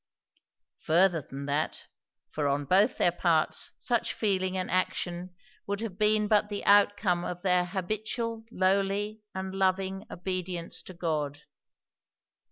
Further than that; for on both their parts such feeling and action would have been but the outcome of their habitual lowly and loving obedience to God.